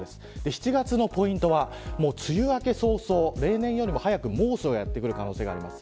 ７月のポイントは、梅雨明け早々例年よりも早く猛暑がやってくる可能性があります。